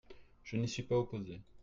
Je n’y suis pas opposé.